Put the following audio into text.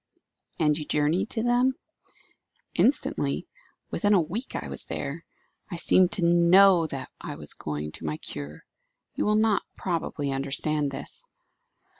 "And you journeyed to them?" "Instantly. Within a week I was there. I seemed to know that I was going to my cure. You will not, probably, understand this."